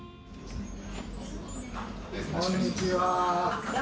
こんにちは。